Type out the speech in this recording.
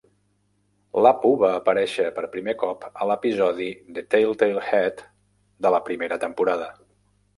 L'Apu va aparèixer per primer cop a l'episodi "The Telltale Head" de la primera temporada.